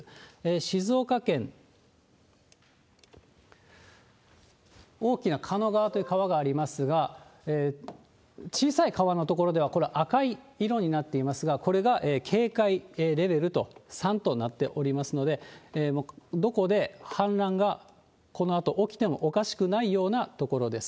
静岡県、大きなかの川という川がありますが、小さい川の所では、これ、赤色になっていますが、これが警戒レベル３となっておりますので、どこで氾濫がこのあと起きてもおかしくないような所です。